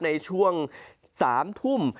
ในช่วง๓ทุ่ม